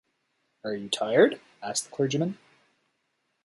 “Are you tired?” asked the clergyman.